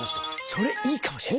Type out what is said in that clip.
それいいかもしれない。